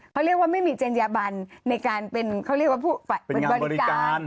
เขาเรียกว่าไม่มีจัญญาบันในการเป็นเขาเรียกว่าผู้เป็นบริการ